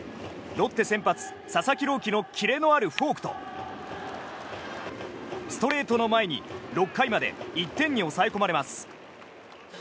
ロッテ先発、佐々木朗希のキレのあるフォークとストレートの前に６回まで１点に抑えこまれます。